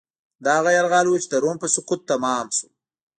دا هغه یرغل و چې د روم په سقوط تمام شو.